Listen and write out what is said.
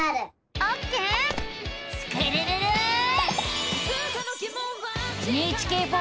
オッケー！